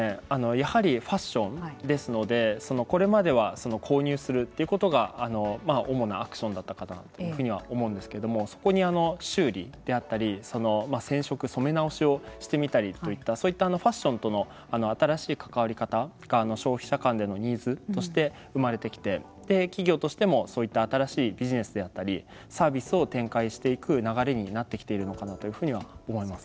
やはりファッションですのでこれまでは購入するということが主なアクションだったかなというふうには思うんですけどもそこに修理であったり染色、染め直しをしてみたりといったそういったファッションとの新しい関わり方が消費者間でのニーズとして生まれてきて企業としてもそういった新しいビジネスであったりサービスを展開していく流れになってきているかなというふうに思います。